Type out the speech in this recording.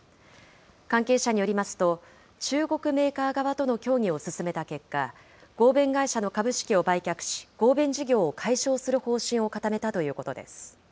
関係者によりますと、中国メーカー側との協議を進めた結果、合弁会社の株式を売却し、合弁事業を解消する方針を固めたということです。